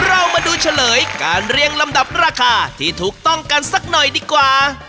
เรามาดูเฉลยการเรียงลำดับราคาที่ถูกต้องกันสักหน่อยดีกว่า